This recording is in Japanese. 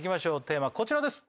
テーマこちらです！